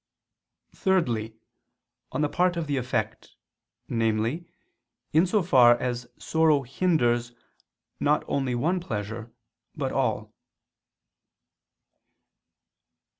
Thirdly, on the part of the effect: namely, in so far as sorrow hinders not only one pleasure, but all.